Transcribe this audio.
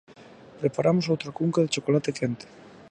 Preparamos outra cunca de chocolate quente.